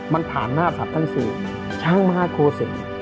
มันผ่านหน้าสัตว์ทั้งสี่ช่างมากโฆษิน